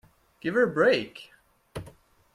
Give her a break!